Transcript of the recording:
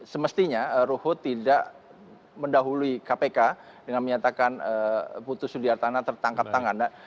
semestinya ruhut tidak mendahului kpk dengan menyatakan putu sudiartana tertangkap tangan